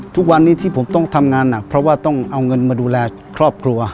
ทุกวันนี้ที่ผมต้องทำงานหนักเพราะว่าต้องเอาเงินมาดูแลครอบครัว